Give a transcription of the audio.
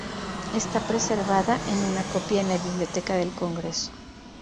Está preservada en una copia en la Biblioteca del Congreso.